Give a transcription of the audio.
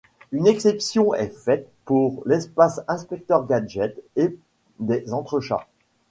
Une exception est faite pour l'espace Inspecteur Gadget et des Entrechats.